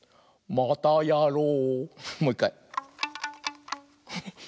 またやろう！